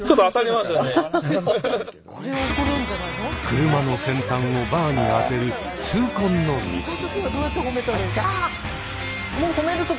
車の先端をバーに当てる痛恨のミス！